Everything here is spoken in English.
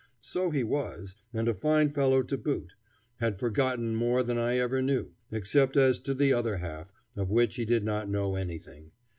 So he was, and a fine fellow to boot; had forgotten more than I ever knew, except as to the other half, of which he did not know anything.